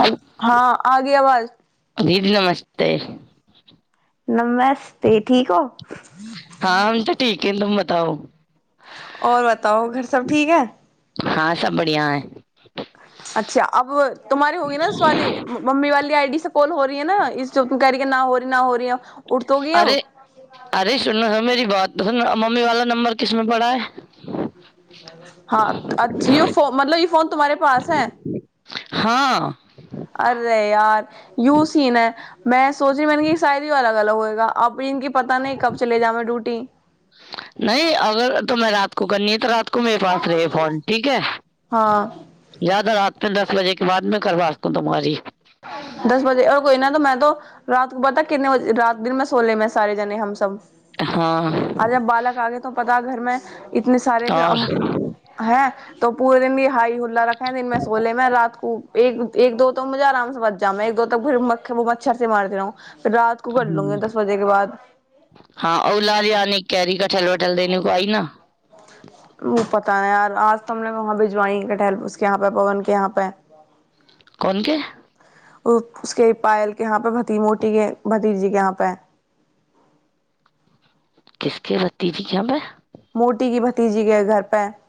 Hello हँ आ गी आवाज दीदी नमस्ते नमस्ते ठीक हो हँ हम तऽ ठीक केन तुम बताओ और बताओ घर सब ठीक है हँ सब बढ़िआ है अच्छा अब तुम्हारे होगी न उस वाली मम्मी वाली आइ डी सब कोल हो रही ह न इ गाड़ि न हो री न हो री हो अरे अरे सुन है मेरी बात मम्मी वाला नंबर किस में पड़ा है हँ अ जियो फोन मतलब य फोन तुम्हारे पास है हँ आरे यार यूसी ने मै सोच रहि मैने कि शायरी वाला लगा हुआ है गला अब फिर इनकी पता नहि कब चल जाबै ड्यूटी गन्नी तऽ को मे पास रहै फॉन ठीक है हाँ जादा रात फिर दस बजे के बाद में करबाती हुँ तुम्हारी दस बजे और कोइ न तऽ मैन तो रात को पता कितने बजे रात दिनमे सोले मे सारे जने हमसब हाँ [unintelligible] अरे बालक आगे तो पता का घर में इतने सारे फेर और अम हैं तो पूे दिन हा हुला रख [unintelligible] दिन में सोले मैं रात को एक एक दो तो मुजाराम बच जामे एक दो तो फ मच्छर से मार रहूँ [unintelligible] [unintelligible] कर लूंगी दस बजे के बाद कठल वठल दन कोई न ओ पता नहि यार आज तऽ हम ने वहाँ भिजवाई ह क टहलस यहाँ पे पवन के यहाँ पे कोन केँ ओ उसके पायल केँ [unintelligible] किसके भततीजी के यहाँ वे मोटी की भतीजी के घर पे [inaudible]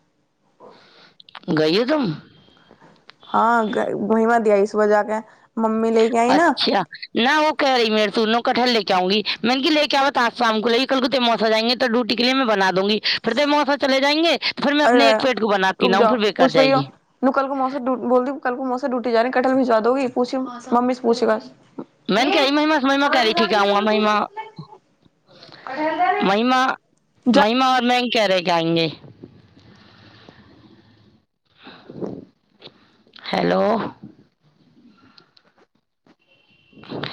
[unintelligible] [unintelligible] लेके आई ना अच्छ न ओ क रही मे [unintelligible] ले चाहूी मेन क ले केब बात आ शाम को ले कलकते मौसा जाएंगे त डूट के लएं बना दूंगी फर दे मफा चले जाएंगे त फर मे अपने अरे एक पेट को बनाती रुक न ह जाओ फेर बेकार पूछ भैया जाइए नू कल को मौसा बोल दी कल को मौसा ड्यूटी जारही कटलह भी भेजवा दोगी पूछि मम्मी पूछेगा [unintelligible] महिमा जा महिमा [unintelligible] [unintelligible] हेलो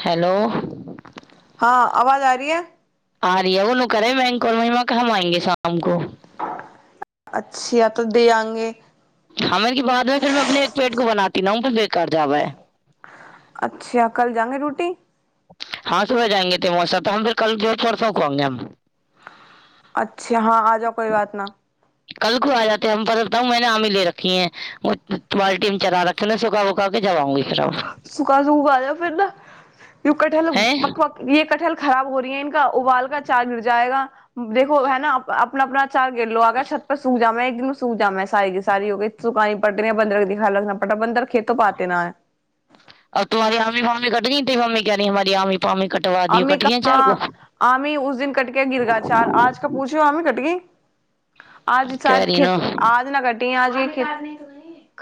हेलो [unintelligible] [unintelligible] [unintelligible] [unintelligible] एक पेट के न [unintelligible] अच्छा कल जांगे रूटी हँ सुबह जाएंगे ते मा तऽ हम फेर कल परसो को आंगे हम [unintelligible] अच्छा हँ आ जाउ कोइ बात न कल को आ जाते ह हम पता लता ह मैंने आमीे रखी है तुमार टीम चरा रखे ने सुखा उखााक सुखा सुक उका आजा फिर न य कठल हैं पकव ए कठहल खराब हो रहि है उबाल क चार्ज उड़ जाएगा देखो है न अपना अपना चार लोग छत पर सूख जावें एक दिन सुूजमे [inaudible] आएगी सारी हो सुकांइ पटनिया बन्दरक देखा लतना पटबन्दक [unintelligible] खेतो पाते न है आब तुम्हार आमी फाम्मी कटनी ती मम्मी क्य न हमार आमी [unintelligible] दियो कट गई हैं चार को [unintelligible] [unintelligible] कह रही नो टी आजी की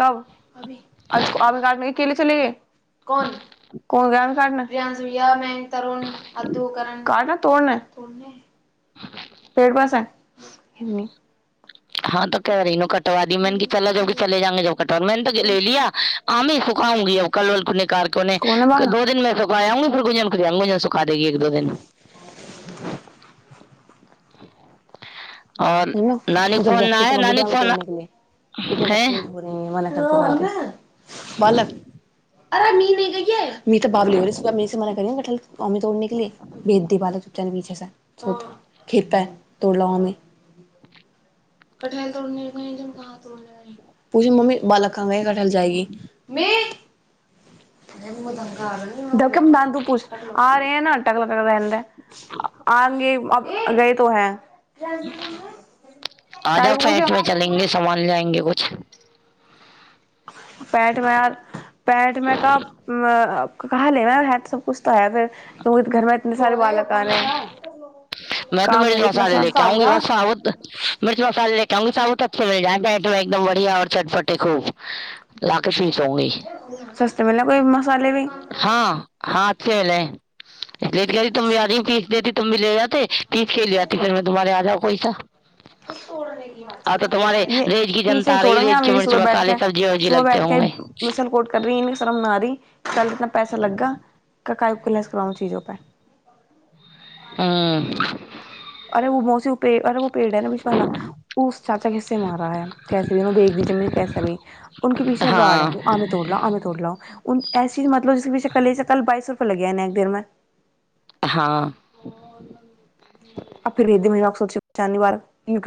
कब [unintelligible] अभी [unintelligible] चली गइ कोन कोन गाम या में [unintelligible] तरण अद्धोकरण कारन [unintelligible] तोर न तोर लें पैर पसार हिनी [unintelligible] हँ तऽ कह रही नोकर [unintelligible] मैंने तो ले लिया [unintelligible] आमी सुखाउंगी अब कलवल को ले [unintelligible] कार को ने कौन है बाहर दो दिनमे [unintelligible] अन कोन [unintelligible] का देगी एक दो दिन [unintelligible] और उंह नानी का फोन ना आया नानी का तोरने फोन के लिए कितने है बदतमीज [unintelligible] [unintelligible] बालक अरे नी नी गैयै बाबली [unintelligible] खेता तोड़ लाओमे [unintelligible] कठहल तोड़ने कही ज कहाँ तने कही पूछे मम्मी [inaudible] पालक जाएगी [unintelligible] पूछ आ रहल [unintelligible] तो हैं आ जा काहे को पूछो पेठ पे चलेंगे सामान लएंगे कुछ [unintelligible] पैट मे यार पैट मे कब म अ कहाँ लेब है त सबकुछ त हैबे त ओ घरमे सर बाल काने मैं तो मिर्च मसाले लेके आउंगी साबुत मिर्च मसाले लेके आउगां साबुत बढिया एक दम चटपटे को लाकेसी सस्ते मिला कोई मसाले भी हा [unintelligible] [unintelligible] कल रेज की जनता आ रही है, रेज के मिर्च मसाले सब्जी वब्जी लगते होंगे इतना पैसा लगा खुलस कराउ चीजो पर आ अरे उ मौसी पेड़ है न बीच बाला उस चाचा जी के पेड़ है हाँ आदमी तोर लाउ आमी तोर लाउ ऐसी [unintelligible] फुलगे ने एक देरमे हाँ [unintelligible]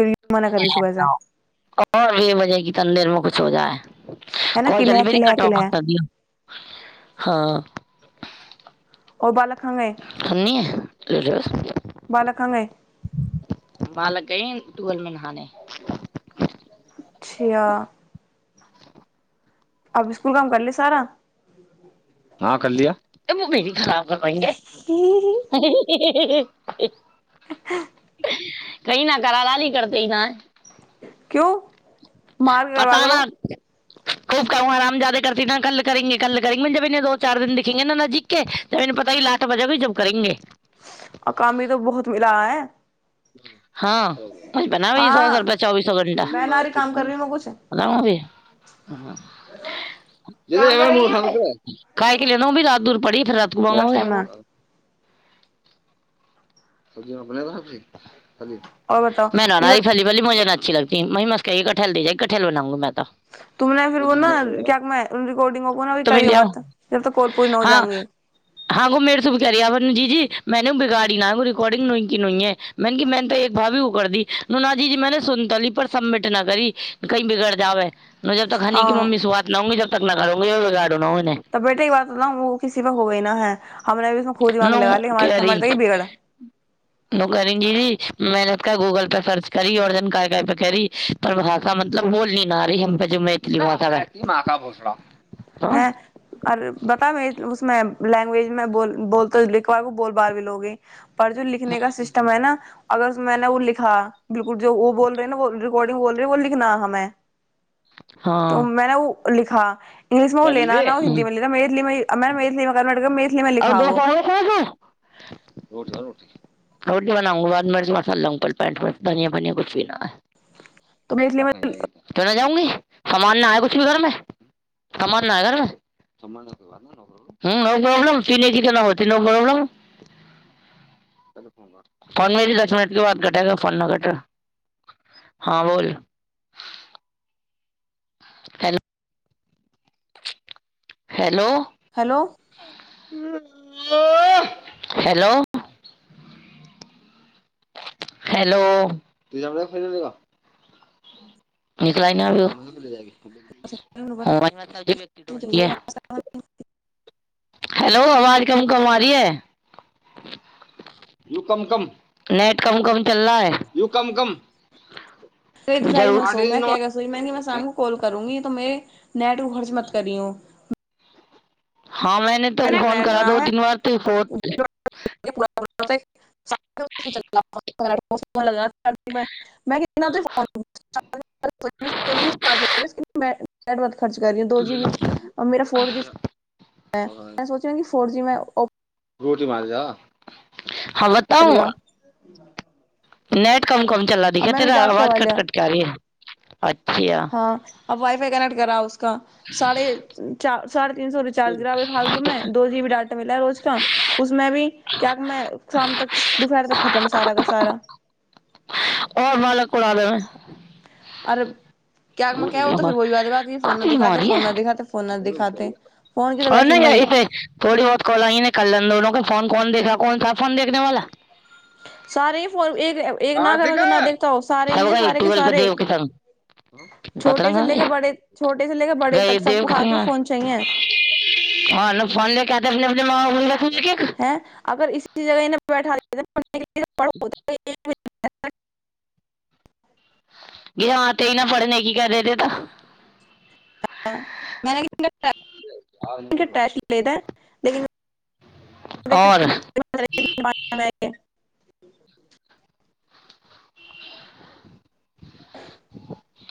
यूं मना कर रही सुबह से [unintelligible] सो जा है ना किला है किला है किला है ह ओ बालक कहाँ गए बालक कहाँ गए बालक केन टूअेलमे नहाने अच्छा अब स्कूल काम कर ली सारा हाँ करलिया [unintelligible] हे हे [inaudible] कहीँ न करालाली करतै न क्यो मार करबा पता करो ना खूब कहू हरामजादे करती तऽ कल करेंगे कल करेंगे दो चार दिन दिखेंगे नजदिक के तब इने पता चलेंगे आ काम भी तो बहुत मिला है ह क्या हो गया बना है सौ सौ हाँ का चौबिस डंडा तेरी मैं माँ ना रही चोद काम कर दूंगा रही हूँ मैं कुछ बताउं अभी दीदी हमर मुड खराब मत कर खाय के लिए अभी न मिली रात को मेरे बंगोर पास मिली टाइम ना है। अभी हम अपने बाप है और बताओ ये [unintelligible] बत, छिललथिन मेहनत से कटहल दे जाइ कटहल बनाउं मे तुमने फिर ओ न क्या मै रिकॉर्डिंगो को ने अभी तुम ही करियो ले आओ मत जब तक कोड पूरी न हो हाँ जाएगी हाँ वो मेरे से भी कह रही है आपन जी जी मैंने बिगाड़ी न रिकॉर्डिंगो की न है मै त एक भावी उकर दी नूनाजी जी मेने सुनता ली पर सबमिट न करी कही बिगड़ जाबै [unintelligible] जब तक हनी की मम्मी सुआत न आउंगी जब तब तक घर न आउंगी रात तऽ बेटे ई बात न ओ किस पर हो गै न है हमने भी उसमें खूब न दिमाग लगा लिया हमारे करी हमारे तक ही बिगड़ा न करींगी जी मैने गूगल पे सर्च करी और जन पे करी पर भाषा मतलब बोलनी ना रही हम पे मैथिली भाषा हाँ हँ आर बतामे उस लैंग्वेजमे ब बोलत लि बार बोल बाल भी लोगे अर्जुन लिखने का हम्म, सिस्टम है न अगर मैने ओ लिखा बिलकुल जो वो बोल रहे ने रिकॉर्डिंग बोल रहे वो लिखना हमे हाँ तो मैने ओ लिखा इंग्लिशमे ओ लेना ना हिन्दी हम्म। मे लेना मेथिलीमे मेथिलीमे कंर्वट मे मैथिली मे और लिखा दो वो कहोगे कहाँ से? रोटी बनाउंगा बाद मे मसाला लाउं पहले धनिया बनिया कुछ भी न है तो मैं इसलिए अब मैं कहाँ जाएगी क्यों नहि जाउंगी सामान ना है कुछ भी घरमे समान न है घर मे समान बाद ले आना बाद मे नोप्रोब्लम नोप्रोब्लम चीनी घी न हो नोप्रोब्लम फोन मेरी दस मिनट के बाद कटेगा फोन कटेगा हँ बोल hello hello hello hello hello [unintelligible] निकला नहि ओ तो ी व्यक्ति ोलल [unintelligible] हैलो आवाज कम कम आ रहि है यू कम कम नेट कम कम चल रहा है यु कम कम त दुपहीमेसो मै क कसोई मै मसान को कल करूंगी [unintelligible] त नेट उ खर्च मत करी हूँ [unintelligible] हँ मैने तो [unintelligible] फोन करा रहा दो है तीन बार तो [unintelligible] [unintelligible] क [unintelligible] खर्च कर दो जी बी मे फोर जी [unintelligible] सोच कि फोर जीमे [unintelligible] रोटी मार जा हँ बताउ चलेगा नैट कम कम चलला दी अब क मैंने तेरा रिचार्ज करवा आवाज कट लिया कट क आ री ह पछिया आब वइफ कनेकट करऽब साढ़े च साढ़े तीन सो रिचार्ज ग्र फालतूमें दो जीबी ाटा मिल है रोज का उसमे भी क्य मे शाम तक दुपहर तक खतम सारा का सारा आओर मालक उड़ा देबै आर दिखाते मारी फोन ना दिखाते फोन ना दिखाते फोन की तो वैसे ही मई नहिे थोड़ी बहुत कल कलनोन क फोन कोन देखा क कोन सा फोन देखने वाला सारे ह फ एक न करना त ना देखता हो सारे सब हीै गए सारे के ट्वेल्व पे सारे देव के संग छोटे पतरंग से आ लेके गए बड़े छोटे से लेके बड़े गए तक देव सबको के हाथ मे फोन चााहए ह फो ल काने देख हँ अगर इस ी जगह बैठा [inaudible] गहतेी ने पढ़ने की क देेते तऽ [unintelligible] ट्रश लदा नहििन और [unintelligible] [unintelligible]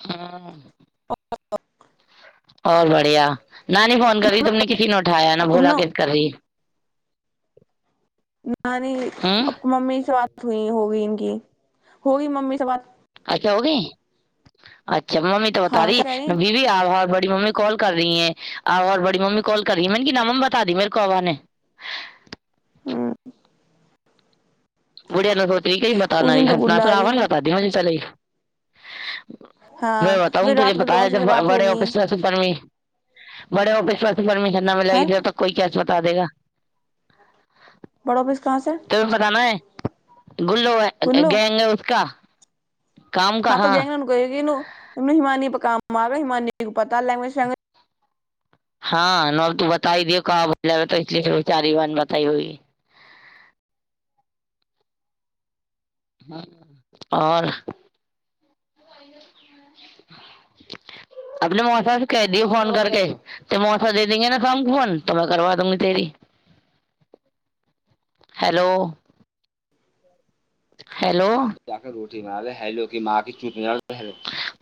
हँ [unintelligible] [inaudible] आओर बढ़िया नानी फोन करी तुमने किसी ने उठाय ना भोला क कभी [unintelligible] नानी हम्म मम्मी से बात हुई होगी उन हो गइ मम्मी से बात अच्छा हो गइ अच जमा मी त हाँ बतारी क्या कह रही बीबी आर बी [unintelligible] बी मम्मी कॉल कर रही हैओर बड़ी मम्मी कॉल करी है मेन नाम हम बता दी मेर को बाबा ने [unintelligible] हम्म, बुढ़िय ने सोचल की पता उस न दिन तो सना गुल्ला रही सरावल बता दीजैय चल [unintelligible] हाँ में बताउ फिर ते रात बता गुल्लो मौसी जे से बात बड़े ऑ होगी किसर सुपरमी है [unintelligible] कोइ कैसे बता देगा [unintelligible] बड़ो बस कहाँसे [unintelligible] गुल्लू है गैंग है उसका काम का हाँ तो गेलो [unintelligible] नहि मानी तऽ काम पता लगमे छी आगे [unintelligible] हाँ नल तू बताइ दियो मन बतैबै [unintelligible] हाँ और फोन करके करबा दुंगी तेरी हेलो हेलो की माँ की [unintelligible]